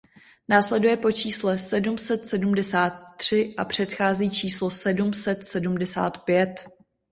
Následuje po čísle sedm set sedmdesát tři a předchází číslu sedm set sedmdesát pět.